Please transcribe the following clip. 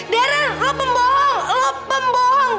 darren lu pembohong lu pembohong